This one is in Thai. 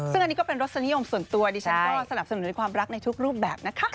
ซึ่งอันนี้ก็เป็นรสนิยมส่วนตัวดิฉันก็สนับสนุนในความรักในทุกรูปแบบนะคะ